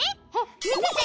みせて！